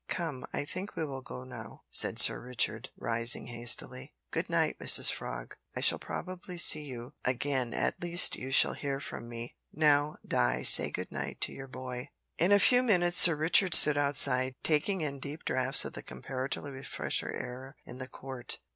"Come, I think we will go now," said Sir Richard, rising hastily. "Good night, Mrs Frog, I shall probably see you again at least you shall hear from me. Now, Di say good night to your boy." In a few minutes Sir Richard stood outside, taking in deep draughts of the comparatively fresher air of the court.